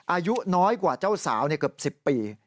อายุน้อยกว่าเจ้าสาวเกือบ๑๐ปี